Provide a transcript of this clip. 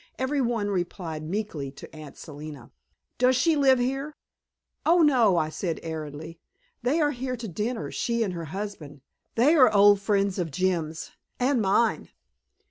Every one replied meekly to Aunt Selina. "Does she live here?" "Oh, no," I said airily. "They are here to dinner, she and her husband. They are old friends of Jim's and mine."